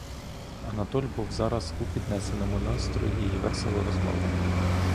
Анатоль був зараз у піднесеному настрої й весело розмовляв.